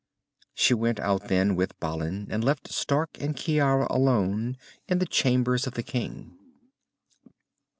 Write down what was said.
She went out then with Balin, and left Stark and Ciara alone, in the chambers of the king.